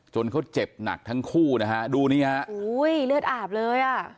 เขาเจ็บหนักทั้งคู่นะฮะดูนี่ฮะอุ้ยเลือดอาบเลยอ่ะ